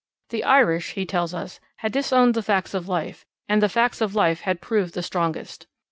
'The Irish,' he tells us, 'had disowned the facts of life, and the facts of life had proved the strongest.'